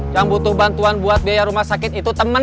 yang butuh bantuan buat biaya rumah sakit itu teman